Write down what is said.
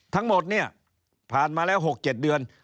ทั้งหมดเนี้ยผ่านมาแล้วหกเจ็ดเดือน